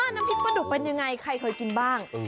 น้ำพริกปลาดุกเป็นยังไงใครเคยกินบ้าง